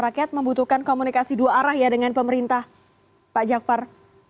rakyat membutuhkan komunikasi dua arah ya dengan pemerintah pak jafar